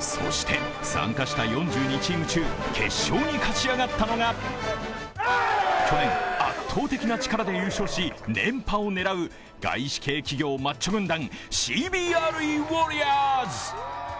そして参加した４２チーム中、決勝に勝ち上がったのが去年、圧倒的な力で優勝し、連覇を狙う外資系企業マッチョ軍団ＣＢＲＥＷａｒｒｉｏｒｓ。